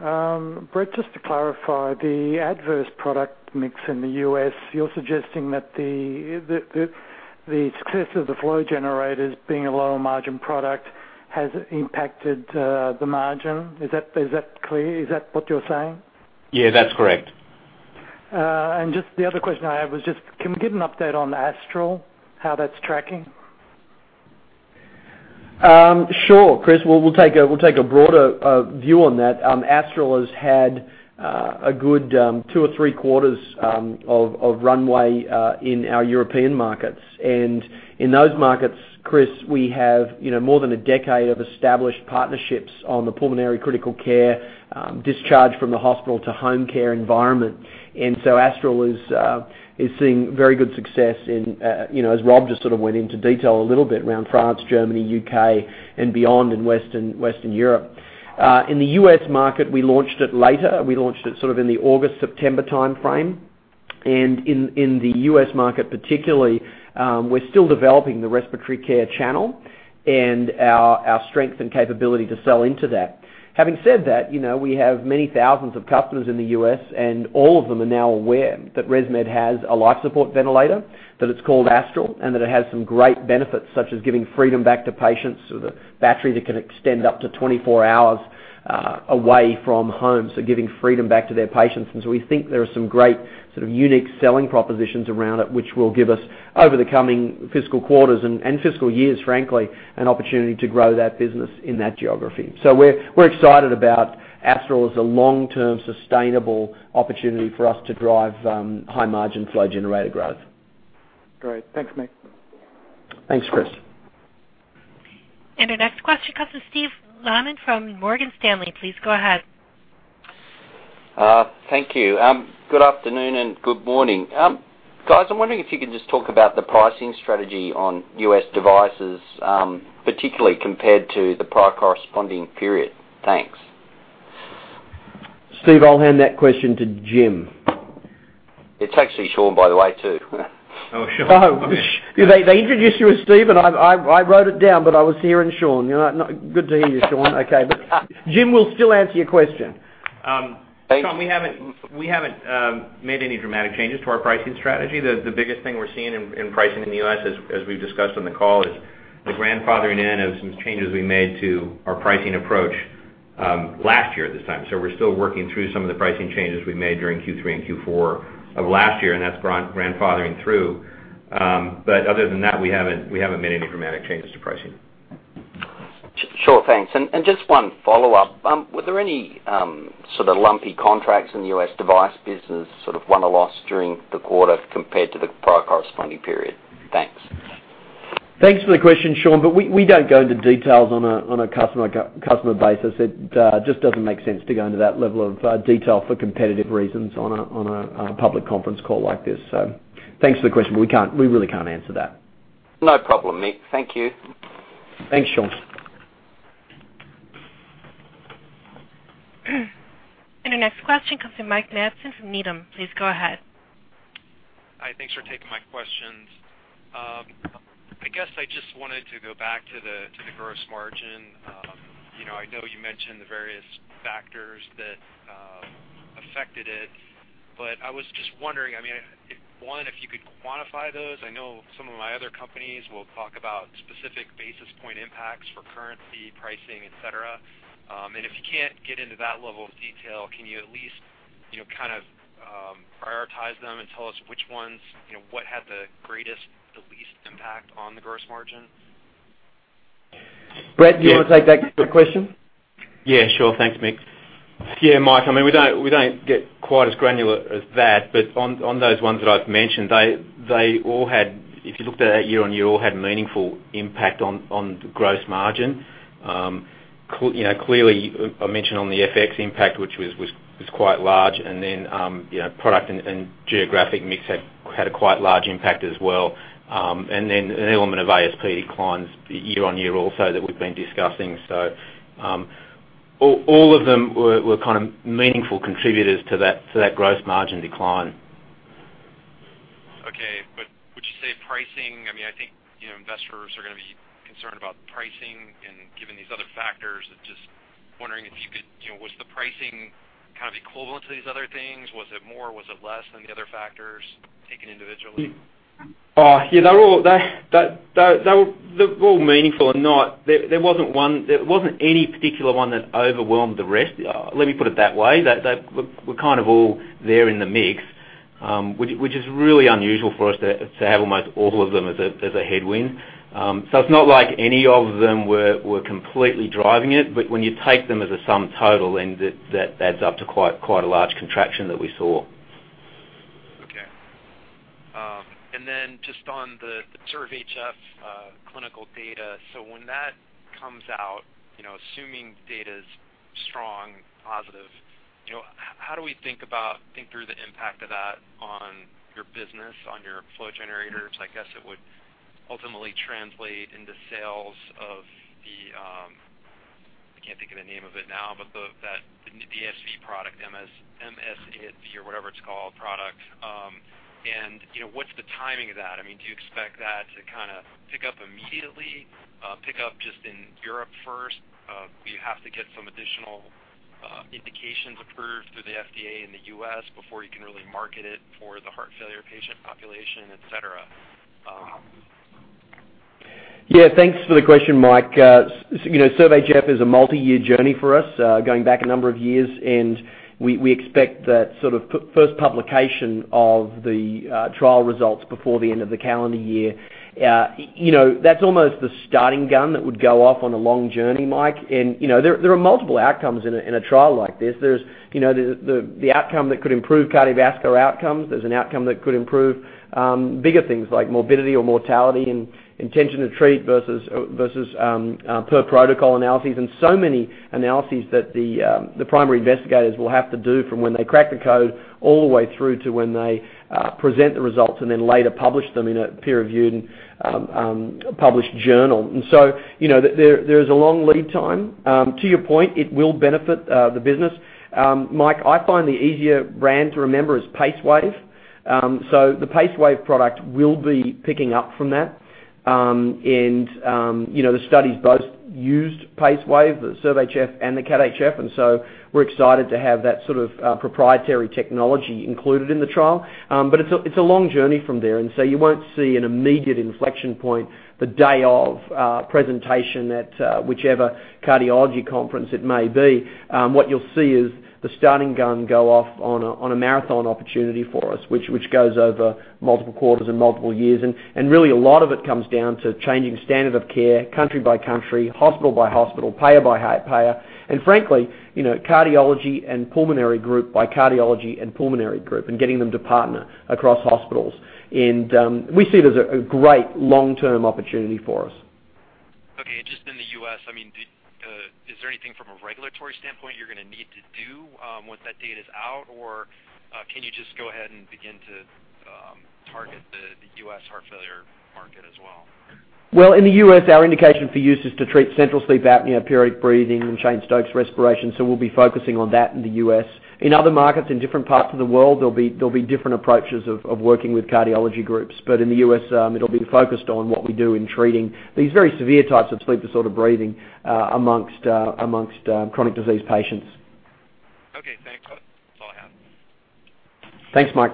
Brett, just to clarify, the adverse product mix in the U.S., you're suggesting that the success of the flow generators being a lower margin product has impacted the margin? Is that clear? Is that what you're saying? Yeah. That's correct. Just the other question I have was just, can we get an update on Astral, how that's tracking? Sure, Chris. We'll take a broader view on that. Astral has had a good two or three quarters of runway in our European markets. In those markets, Chris, we have more than a decade of established partnerships on the pulmonary critical care, discharge from the hospital to home care environment. Astral is seeing very good success in, as Rob just sort of went into detail a little bit around France, Germany, U.K., and beyond in Western Europe. In the U.S. market, we launched it later. We launched it sort of in the August, September timeframe. In the U.S. market particularly, we're still developing the respiratory care channel and our strength and capability to sell into that. Having said that, we have many thousands of customers in the U.S., and all of them are now aware that ResMed has a life support ventilator, that it's called Astral, and that it has some great benefits, such as giving freedom back to patients, with a battery that can extend up to 24 hours away from home, so giving freedom back to their patients. We think there are some great sort of unique selling propositions around it, which will give us, over the coming fiscal quarters and fiscal years, frankly, an opportunity to grow that business in that geography. We're excited about Astral as a long-term sustainable opportunity for us to drive high margin flow generator growth. Great. Thanks, Mick. Thanks, Chris. Our next question comes from Sean Laaman from Morgan Stanley. Please go ahead. Thank you. Good afternoon and good morning. Guys, I'm wondering if you can just talk about the pricing strategy on U.S. devices, particularly compared to the prior corresponding period. Thanks. Steve, I'll hand that question to Jim. It's actually Shaun, by the way, too. Oh, Shaun. Oh. They introduced you as Steve, and I wrote it down, but I was hearing Shaun. Good to hear you, Shaun. Okay. Jim will still answer your question. Thanks. Shaun, we haven't made any dramatic changes to our pricing strategy. The biggest thing we're seeing in pricing in the U.S., as we've discussed on the call, is the grandfathering in of some changes we made to our pricing approach last year at this time. We're still working through some of the pricing changes we made during Q3 and Q4 of last year, and that's grandfathering through. Other than that, we haven't made any dramatic changes to pricing. Sure. Thanks. Just one follow-up. Were there any sort of lumpy contracts in the U.S. device business, sort of one or loss during the quarter compared to the prior corresponding period? Thanks. Thanks for the question, Shaun, but we don't go into details on a customer basis. It just doesn't make sense to go into that level of detail for competitive reasons on a public conference call like this. Thanks for the question, but we really can't answer that. No problem, Mick. Thank you. Thanks, Shaun. Our next question comes from Mike Matson from Needham. Please go ahead. Hi. Thanks for taking my questions. I guess I just wanted to go back to the gross margin. I know you mentioned the various factors that affected it, but I was just wondering, one, if you could quantify those. I know some of my other companies will talk about specific basis point impacts for currency, pricing, et cetera. If you can't get into that level of detail, can you at least kind of prioritize them and tell us which ones, what had the greatest, the least impact on the gross margin? Brett, do you want to take that question? Yeah, sure. Thanks, Mick. Yeah, Mike, we don't get quite as granular as that, but on those ones that I've mentioned, if you looked at it year-over-year, all had a meaningful impact on the gross margin. Clearly, I mentioned on the FX impact, which was quite large, product and geographic mix had a quite large impact as well. An element of ASP declines year-over-year also that we've been discussing. All of them were kind of meaningful contributors to that gross margin decline. Okay. Would you say pricing, I think investors are going to be concerned about pricing and given these other factors, just wondering if you could, was the pricing kind of equivalent to these other things? Was it more, was it less than the other factors taken individually? They're all meaningful or not. There wasn't any particular one that overwhelmed the rest. Let me put it that way. They were kind of all there in the mix, which is really unusual for us to have almost all of them as a headwind. It's not like any of them were completely driving it, but when you take them as a sum total, that adds up to quite a large contraction that we saw. Okay. Just on the sort of HF clinical data. When that comes out, assuming the data's strong, positive, how do we think through the impact of that on your business, on your flow generators? I guess it would ultimately translate into sales of the, I can't think of the name of it now, but the ASV product, ASV or whatever it's called, product. What's the timing of that? Do you expect that to kind of pick up immediately, pick up just in Europe first? Do you have to get some additional indications approved through the FDA in the U.S. before you can really market it for the heart failure patient population, et cetera? Thanks for the question, Mike. SERVE-HF is a multi-year journey for us, going back a number of years, and we expect that first publication of the trial results before the end of the calendar year. That's almost the starting gun that would go off on a long journey, Mike. There are multiple outcomes in a trial like this. There's the outcome that could improve cardiovascular outcomes. There's an outcome that could improve bigger things like morbidity or mortality and intention to treat versus per-protocol analyses. So many analyses that the primary investigators will have to do from when they crack the code all the way through to when they present the results and then later publish them in a peer-reviewed and published journal. There is a long lead time. To your point, it will benefit the business. Mike, I find the easier brand to remember is PaceWave. The PaceWave product will be picking up from that. The studies both used PaceWave, the SERVE-HF and the CAT-HF. We're excited to have that sort of proprietary technology included in the trial. It's a long journey from there, so you won't see an immediate inflection point the day of presentation at whichever cardiology conference it may be. What you'll see is the starting gun go off on a marathon opportunity for us, which goes over multiple quarters and multiple years. Really a lot of it comes down to changing standard of care country by country, hospital by hospital, payer by payer, and frankly, cardiology and pulmonary group by cardiology and pulmonary group, and getting them to partner across hospitals. We see it as a great long-term opportunity for us. Okay. Just in the U.S., is there anything from a regulatory standpoint you're going to need to do once that data's out? Can you just go ahead and begin to target the U.S. heart failure market as well? Well, in the U.S., our indication for use is to treat central sleep apnea, periodic breathing, and Cheyne-Stokes respiration. We'll be focusing on that in the U.S. In other markets, in different parts of the world, there'll be different approaches of working with cardiology groups. In the U.S., it'll be focused on what we do in treating these very severe types of sleep disorder breathing amongst chronic disease patients. Okay, thanks. That's all I have. Thanks, Mike.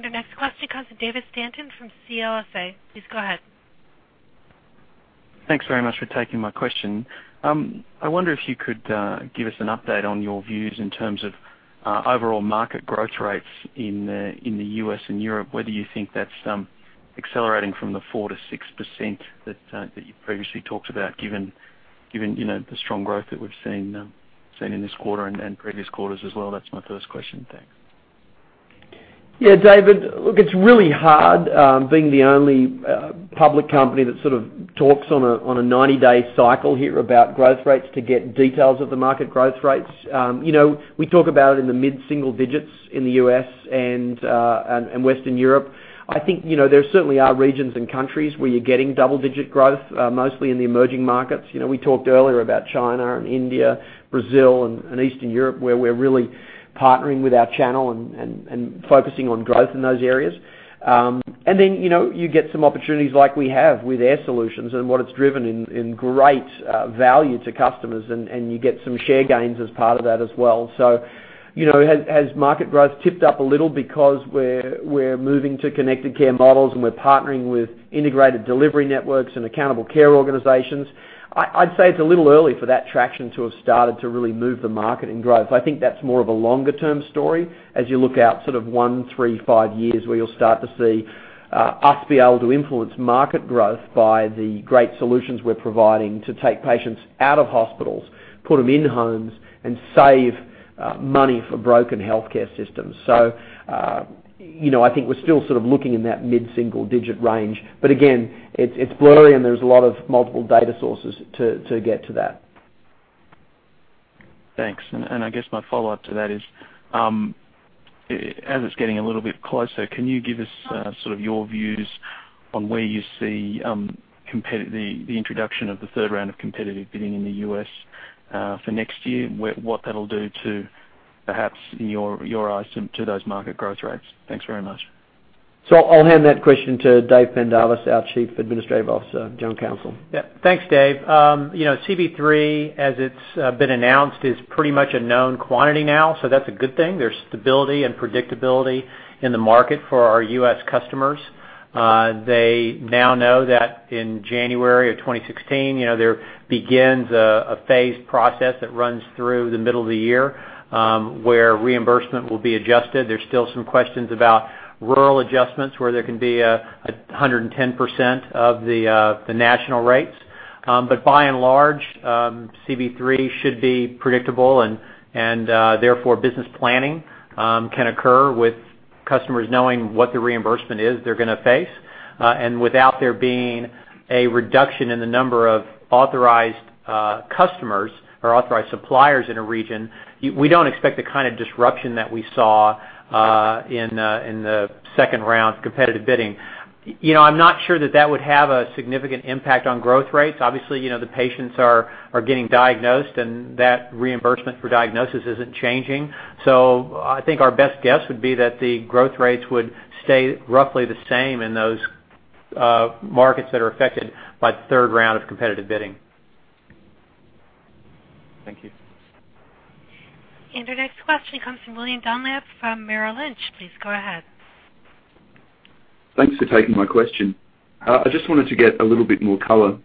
Our next question comes from David Stanton from CLSA. Please go ahead. Thanks very much for taking my question. I wonder if you could give us an update on your views in terms of overall market growth rates in the U.S. and Europe, whether you think that's accelerating from the 4%-6% that you previously talked about, given the strong growth that we've seen in this quarter and previous quarters as well. That's my first question. Thanks. Yeah, David, look, it's really hard being the only public company that sort of talks on a 90-day cycle here about growth rates to get details of the market growth rates. We talk about it in the mid-single digits in the U.S. and Western Europe. I think there certainly are regions and countries where you're getting double-digit growth, mostly in the emerging markets. We talked earlier about China and India, Brazil and Eastern Europe, where we're really partnering with our channel and focusing on growth in those areas. Then, you get some opportunities like we have with Air Solutions and what it's driven in great value to customers, and you get some share gains as part of that as well. Has market growth tipped up a little because we're moving to connected care models and we're partnering with Integrated Delivery Networks and accountable care organizations? I'd say it's a little early for that traction to have started to really move the market in growth. I think that's more of a longer-term story as you look out sort of one, three, five years where you'll start to see us be able to influence market growth by the great solutions we're providing to take patients out of hospitals, put them in homes, and save money for broken healthcare systems. I think we're still sort of looking in that mid-single digit range. Again, it's blurry, and there's a lot of multiple data sources to get to that. Thanks. I guess my follow-up to that is, as it's getting a little bit closer, can you give us sort of your views on where you see the introduction of the third round of competitive bidding in the U.S. for next year, and what that'll do to perhaps in your eyes, to those market growth rates? Thanks very much. I'll hand that question to Dave Pendarvis, our Chief Administrative Officer, Global General Counsel. Thanks, David. CB3, as it's been announced, is pretty much a known quantity now. That's a good thing. There's stability and predictability in the market for our U.S. customers. They now know that in January of 2016, there begins a phased process that runs through the middle of the year, where reimbursement will be adjusted. There's still some questions about rural adjustments, where there can be 110% of the national rates. By and large, CB3 should be predictable and therefore business planning can occur with customers knowing what the reimbursement is they're going to face. Without there being a reduction in the number of authorized customers or authorized suppliers in a region, we don't expect the kind of disruption that we saw in the second round competitive bidding. I'm not sure that that would have a significant impact on growth rates. Obviously, the patients are getting diagnosed. That reimbursement for diagnosis isn't changing. I think our best guess would be that the growth rates would stay roughly the same in those markets that are affected by the third round of competitive bidding. Thank you. Our next question comes from William Dunlop from Merrill Lynch. Please go ahead. Thanks for taking my question. I just wanted to get a little bit more color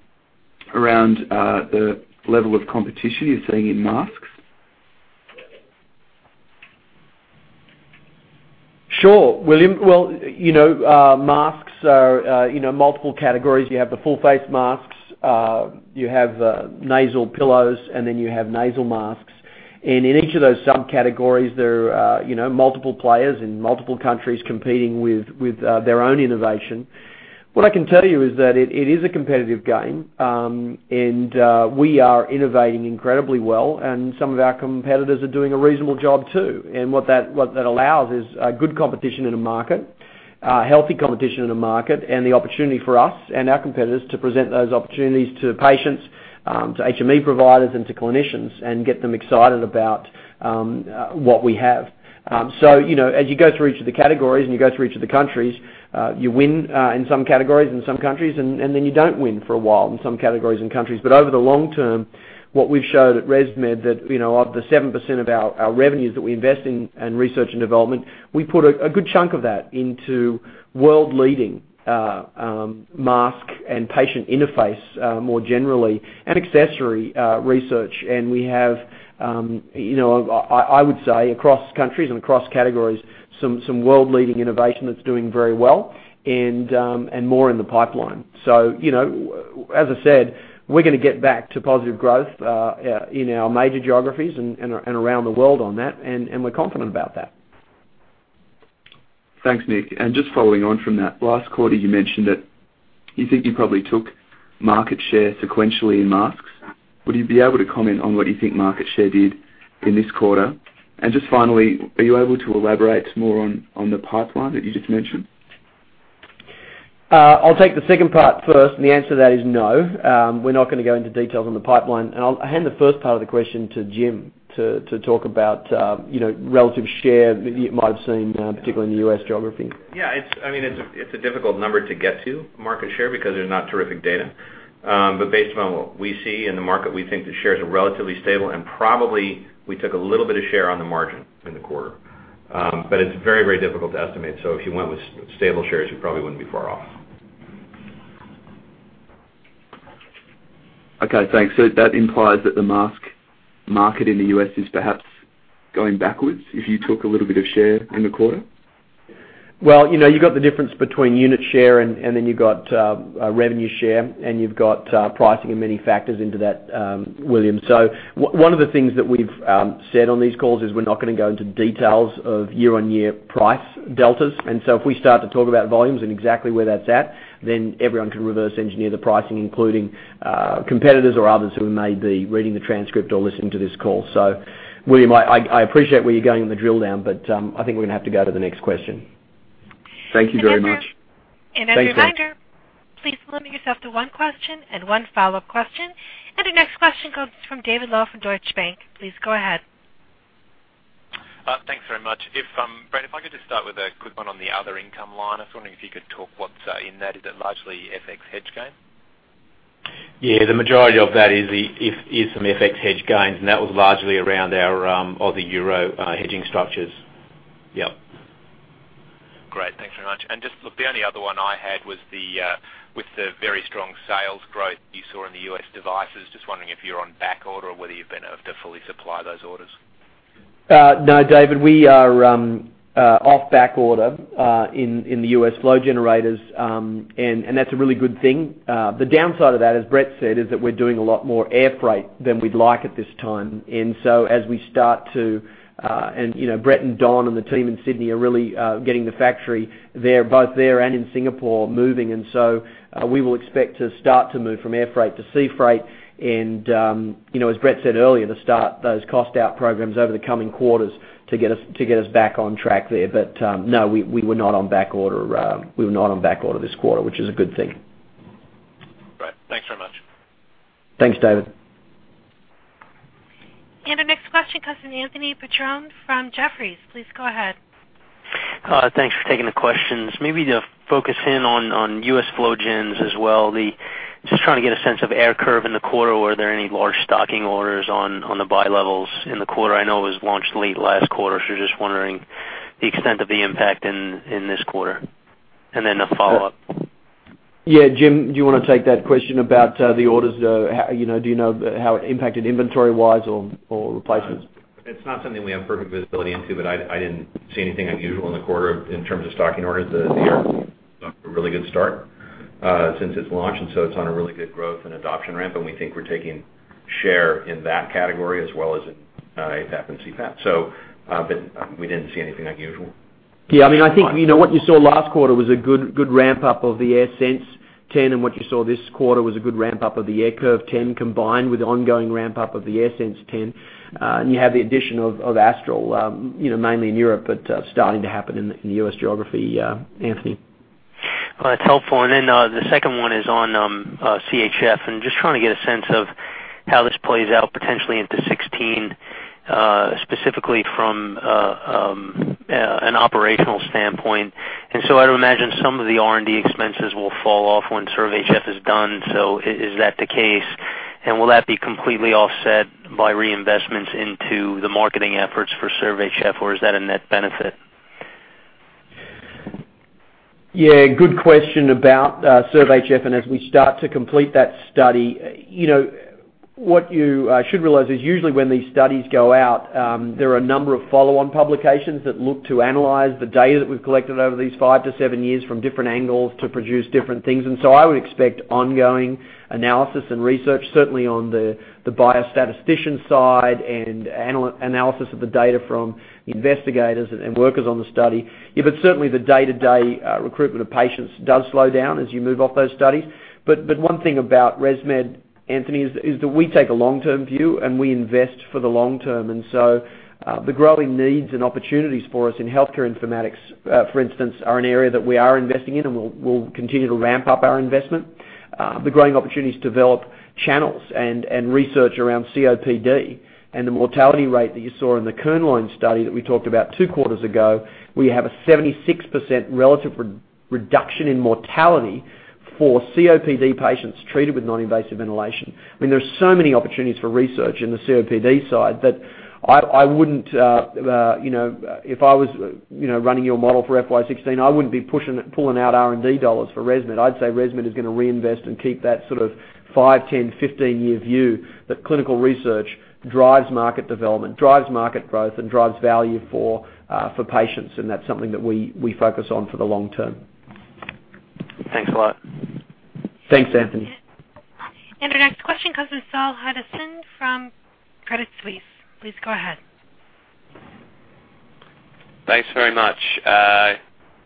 around the level of competition you're seeing in masks. Sure, William. Well, masks are multiple categories. You have the full-face masks, you have nasal pillows, and then you have nasal masks. In each of those subcategories, there are multiple players in multiple countries competing with their own innovation. What I can tell you is that it is a competitive game, and we are innovating incredibly well, and some of our competitors are doing a reasonable job, too. What that allows is good competition in a market, healthy competition in a market, and the opportunity for us and our competitors to present those opportunities to patients, to HME providers, and to clinicians, and get them excited about what we have. As you go through each of the categories, and you go through each of the countries, you win in some categories, in some countries, and then you don't win for a while in some categories and countries. Over the long term, what we've shown at ResMed that of the 7% of our revenues that we invest in research and development, we put a good chunk of that into world-leading mask and patient interface, more generally, and accessory research. We have, I would say, across countries and across categories, some world-leading innovation that's doing very well, and more in the pipeline. As I said, we're going to get back to positive growth in our major geographies and around the world on that, and we're confident about that. Thanks, Mick. Just following on from that, last quarter, you mentioned that you think you probably took market share sequentially in masks. Would you be able to comment on what you think market share did in this quarter? Just finally, are you able to elaborate more on the pipeline that you just mentioned? I'll take the second part first, and the answer to that is no. We're not going to go into details on the pipeline. I'll hand the first part of the question to Jim to talk about relative share that you might have seen, particularly in the U.S. geography. Yeah. It's a difficult number to get to, market share, because there's not terrific data. Based on what we see in the market, we think the shares are relatively stable, and probably we took a little bit of share on the margin in the quarter. It's very difficult to estimate. If you went with stable shares, you probably wouldn't be far off. Okay, thanks. That implies that the mask market in the U.S. is perhaps going backwards, if you took a little bit of share in the quarter? Well, you've got the difference between unit share and then you've got revenue share, and you've got pricing and many factors into that, William. One of the things that we've said on these calls is we're not going to go into details of year-on-year price deltas. If we start to talk about volumes and exactly where that's at, then everyone can reverse engineer the pricing, including competitors or others who may be reading the transcript or listening to this call. William, I appreciate where you're going in the drill down, but I think we're going to have to go to the next question. Thank you very much. As a reminder, please limit yourself to one question and one follow-up question. Our next question comes from David Low from Deutsche Bank. Please go ahead. Thanks very much. Brett, if I could just start with a quick one on the other income line. I was wondering if you could talk what's in that. Is it largely FX hedge gain? Yeah, the majority of that is some FX hedge gains, and that was largely around our Euro hedging structures. Yep. Great. Thanks very much. Just look, the only other one I had was with the very strong sales growth you saw in the U.S. devices, just wondering if you're on backorder or whether you've been able to fully supply those orders? No, David, we are off backorder in the U.S. flow generators. That's a really good thing. The downside of that, as Brett said, is that we're doing a lot more air freight than we'd like at this time. Brett and Don and the team in Sydney are really getting the factory both there and in Singapore moving, so we will expect to start to move from air freight to sea freight. As Brett said earlier, to start those cost-out programs over the coming quarters to get us back on track there. No, we were not on backorder this quarter, which is a good thing. Great. Thanks very much. Thanks, David. Our next question comes from Anthony Petrone from Jefferies. Please go ahead. Thanks for taking the questions. Maybe to focus in on U.S. flow gens as well, just trying to get a sense of AirCurve in the quarter. Were there any large stocking orders on the BiLevels in the quarter? I know it was launched late last quarter, so just wondering the extent of the impact in this quarter. Then a follow-up. Yeah. Jim, do you want to take that question about the orders? Do you know how it impacted inventory-wise or replacements? It's not something we have perfect visibility into, I didn't see anything unusual in the quarter in terms of stocking orders. The AirCurve's off to a really good start since its launch, it's on a really good growth and adoption ramp, and we think we're taking share in that category as well as in APAP and CPAP. We didn't see anything unusual. I think what you saw last quarter was a good ramp-up of the AirSense 10, what you saw this quarter was a good ramp-up of the AirCurve 10 combined with ongoing ramp-up of the AirSense 10. You have the addition of Astral, mainly in Europe, but starting to happen in the U.S. geography, Anthony. That's helpful. Then, the second one is on CHF, just trying to get a sense of how this plays out potentially into 2016. Specifically from an operational standpoint. I would imagine some of the R&D expenses will fall off when SERVE-HF is done. Is that the case? Will that be completely offset by reinvestments into the marketing efforts for SERVE-HF, or is that a net benefit? Yeah, good question about SERVE-HF. As we start to complete that study, what you should realize is usually when these studies go out, there are a number of follow-on publications that look to analyze the data that we've collected over these five to seven years from different angles to produce different things. I would expect ongoing analysis and research, certainly on the biostatistician side and analysis of the data from the investigators and workers on the study. Certainly, the day-to-day recruitment of patients does slow down as you move off those studies. One thing about ResMed, Anthony, is that we take a long-term view, and we invest for the long term. The growing needs and opportunities for us in healthcare informatics, for instance, are an area that we are investing in, and we'll continue to ramp up our investment. The growing opportunities to develop channels and research around COPD and the mortality rate that you saw in the Kohnlein study that we talked about two quarters ago, we have a 76% relative reduction in mortality for COPD patients treated with non-invasive ventilation. I mean, there are so many opportunities for research in the COPD side that I wouldn't, if I was running your model for FY 2016, I wouldn't be pulling out R&D dollars for ResMed. I'd say ResMed is going to reinvest and keep that sort of five, 10, 15-year view that clinical research drives market development, drives market growth, and drives value for patients. That's something that we focus on for the long term. Thanks a lot. Thanks, Anthony. Our next question comes from Saul Hadassin from Credit Suisse. Please go ahead. Thanks very much.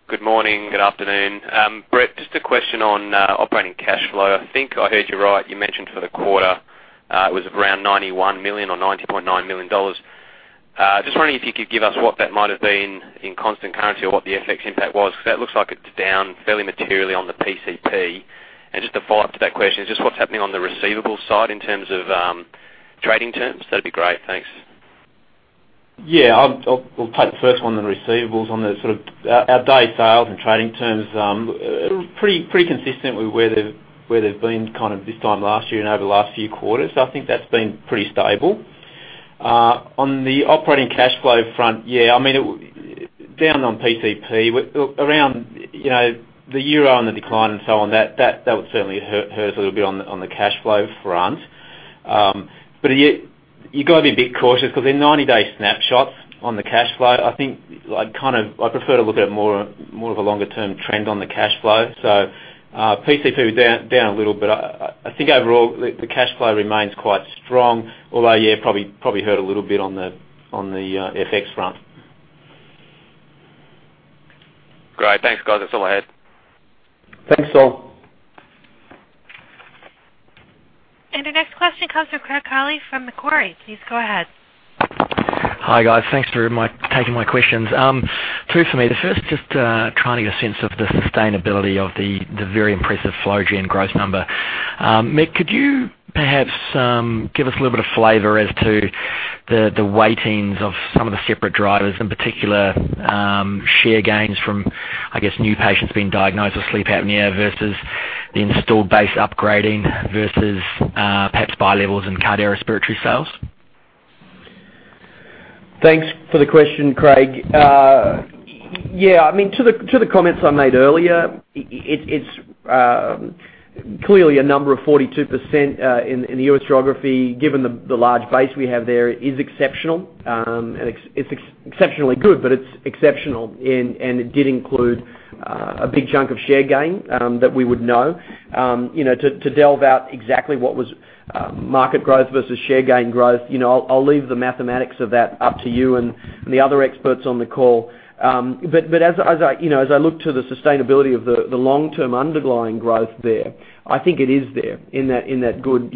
Good morning, good afternoon. Brett, just a question on operating cash flow. I think I heard you right, you mentioned for the quarter, it was around $91 million or $90.9 million. Just wondering if you could give us what that might have been in constant currency or what the FX impact was. That looks like it's down fairly materially on the PCP. Just to follow up to that question, just what's happening on the receivables side in terms of trading terms? That'd be great. Thanks. Yeah. I'll take the first one on receivables. On the sort of our day sales and trading terms, pretty consistent with where they've been kind of this time last year and over the last few quarters. I think that's been pretty stable. On the operating cash flow front. I mean, down on PCP, the EUR on the decline and so on, that would certainly hurt us a little bit on the cash flow front. You've got to be a bit cautious because in 90-day snapshots on the cash flow, I think I'd prefer to look at it more of a longer-term trend on the cash flow. PCP was down a little bit. I think overall, the cash flow remains quite strong, although probably hurt a little bit on the FX front. Great. Thanks, guys. That's all I had. Thanks, Saul. Our next question comes from Craig Collie from Macquarie. Please go ahead. Hi, guys. Thanks for taking my questions. Two for me. The first, just trying to get a sense of the sustainability of the very impressive FlowGen growth number. Mick, could you perhaps give us a little bit of flavor as to the weightings of some of the separate drivers, in particular, share gains from, I guess, new patients being diagnosed with sleep apnea versus the installed base upgrading versus perhaps bilevels and cardiorespiratory sales? Thanks for the question, Craig. Yeah, I mean, to the comments I made earlier, it's clearly a number of 42% in the U.S. geography, given the large base we have there is exceptional. It's exceptionally good, but it's exceptional and it did include a big chunk of share gain, that we would know. To delve out exactly what was market growth versus share gain growth, I'll leave the mathematics of that up to you and the other experts on the call. As I look to the sustainability of the long-term underlying growth there, I think it is there in that good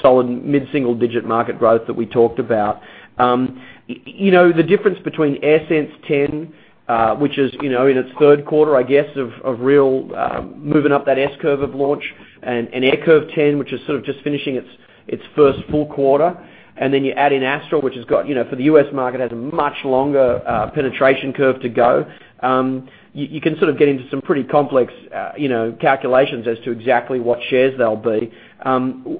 solid mid-single-digit market growth that we talked about. The difference between AirSense 10, which is in its third quarter, I guess, of real moving up that S-curve of launch, and AirCurve 10, which is sort of just finishing its first full quarter, and then you add in Astral, which for the U.S. market, has a much longer penetration curve to go. You can sort of get into some pretty complex calculations as to exactly what shares they'll be.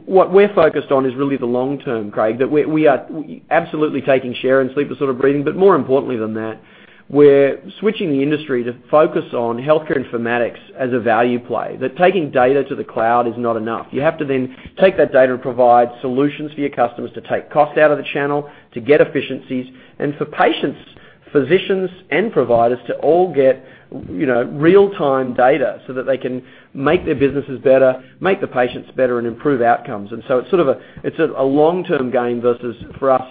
What we're focused on is really the long term, Craig. We are absolutely taking share in sleep-disordered breathing. More importantly than that, we're switching the industry to focus on healthcare informatics as a value play. Taking data to the cloud is not enough. You have to then take that data and provide solutions for your customers to take cost out of the channel, to get efficiencies, and for patients, physicians, and providers to all get real-time data so that they can make their businesses better, make the patients better, and improve outcomes. So it's sort of a long-term game versus for us,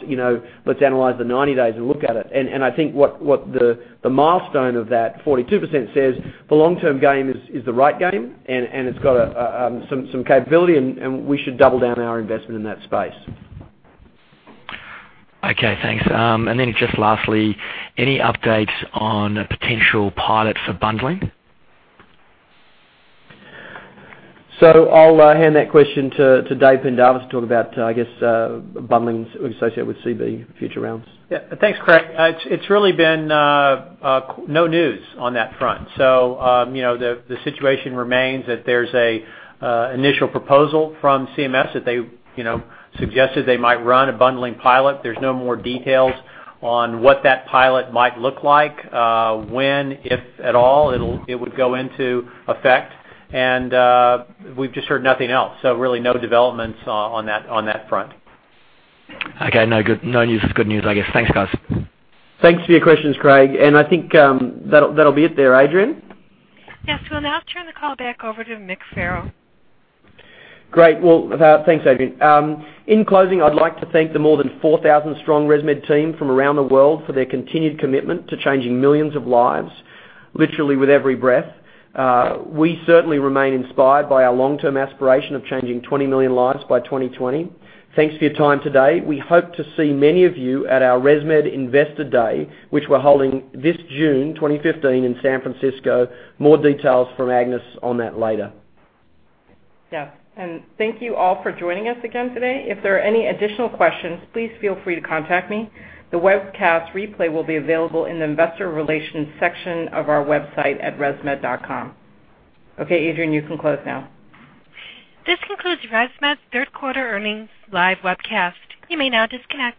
let's analyze the 90 days and look at it. I think what the milestone of that 42% says the long-term game is the right game, and it's got some capability, and we should double down our investment in that space. Okay, thanks. Just lastly, any updates on potential pilot for bundling? I'll hand that question to David Pendarvis to talk about, I guess, bundling associated with CB future rounds. Yeah. Thanks, Craig. It's really been no news on that front. The situation remains that there's a initial proposal from CMS that they suggested they might run a bundling pilot. There's no more details on what that pilot might look like, when, if at all, it would go into effect. We've just heard nothing else. Really no developments on that front. Okay. No news is good news, I guess. Thanks, guys. Thanks for your questions, Craig. I think that'll be it there. Adrian? Yes. We'll now turn the call back over to Mick Farrell. Great. Well, thanks, Adrian. In closing, I'd like to thank the more than 4,000 strong ResMed team from around the world for their continued commitment to changing millions of lives, literally with every breath. We certainly remain inspired by our long-term aspiration of changing 20 million lives by 2020. Thanks for your time today. We hope to see many of you at our ResMed Investor Day, which we're holding this June 2015 in San Francisco. More details from Agnes on that later. Yes. Thank you all for joining us again today. If there are any additional questions, please feel free to contact me. The webcast replay will be available in the investor relations section of our website at resmed.com. Okay, Adrian, you can close now. This concludes ResMed's third quarter earnings live webcast. You may now disconnect.